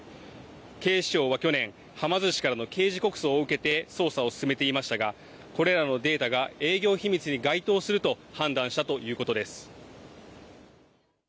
警視庁は去年、はま寿司からの刑事告訴を受けて捜査を進めていましたが、これらのデータが営業秘密に該当すると判断したということです。